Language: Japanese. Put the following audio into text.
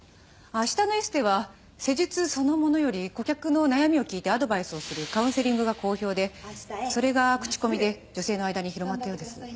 明日のエステは施術そのものより顧客の悩みを聞いてアドバイスをするカウンセリングが好評でそれが口コミで女性の間に広まったようです。